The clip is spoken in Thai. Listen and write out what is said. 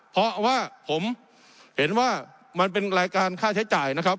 เพราะว่าผมเห็นว่ามันเป็นรายการค่าใช้จ่ายนะครับ